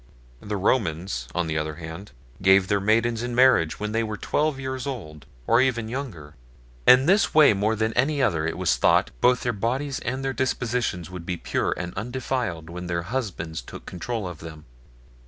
The Romans, on the other hand, gave their maidens in marriage when they were twelve years old, or even younger. In this way more than any other, it was thought, both their bodies and their dispositions would be pure and undefiled when their husbands took control of them.